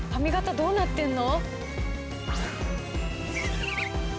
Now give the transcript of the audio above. どうなってんの？